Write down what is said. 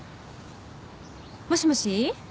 もしもし。